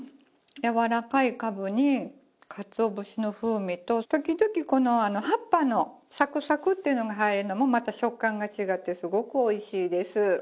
やわらかいかぶにかつお節の風味と時々この葉っぱのサクサクっていうのが入るのもまた食感が違ってすごくおいしいです。